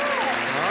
「何？